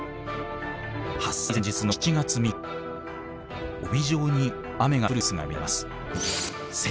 発災前日の７月３日帯状に雨が降る様子が見られます。